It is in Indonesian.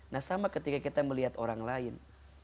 nah sama ketika kita melihat orang lain